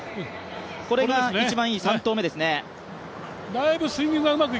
これが一番いい３投目ですね